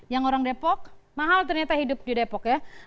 yang orang depok mahal ternyata hidup di depok ya